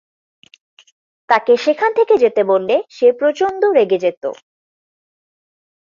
তাকে সেখান থেকে যেতে বললে সে প্রচন্ড রেগে যেত।